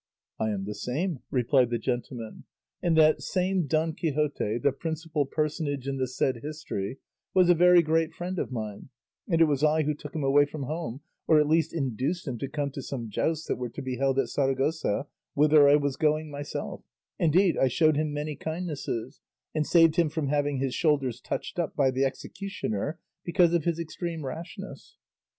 "I am the same," replied the gentleman; "and that same Don Quixote, the principal personage in the said history, was a very great friend of mine, and it was I who took him away from home, or at least induced him to come to some jousts that were to be held at Saragossa, whither I was going myself; indeed, I showed him many kindnesses, and saved him from having his shoulders touched up by the executioner because of his extreme rashness."